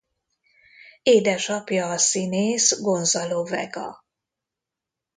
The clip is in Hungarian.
Édesapja a színész Gonzalo Vega.